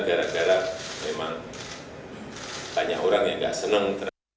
gara gara memang banyak orang yang nggak senang